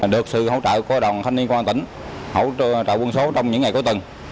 được sự hỗ trợ của đồng thanh niên quan tỉnh hỗ trợ quân số trong những ngày có từng